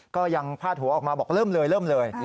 ก็ยังพาดหัวออกมาปล่อย้มเลย